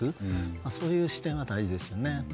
そういう視点は大事ですよね。